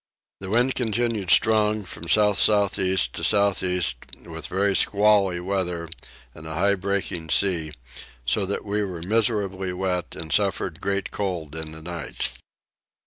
The wind continued strong from south south east to south east with very squally weather and a high breaking sea, so that we were miserably wet and suffered great cold in the night.